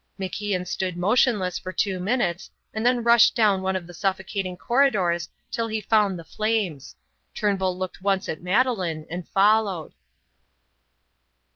MacIan stood motionless for two minutes, and then rushed down one of the suffocating corridors till he found the flames. Turnbull looked once at Madeleine, and followed.